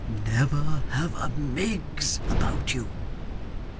Never have a Miggs about you!